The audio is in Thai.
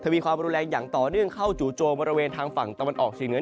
มีความประโยคอย่างต่อเนื่องเข้าจูโจม์ไปทางฝั่งตะวันออกชีพเหนือ